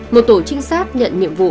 một tổ trinh sát nhận nhiệm vụ